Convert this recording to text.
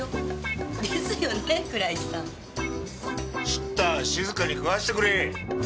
ちっとは静かに食わせてくれ。